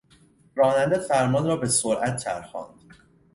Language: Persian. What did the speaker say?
راننده فرمان را به سرعت چرخاند.